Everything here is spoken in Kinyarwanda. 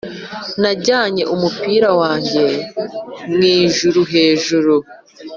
najyanye umupira wanjye mu ijuru hejuru,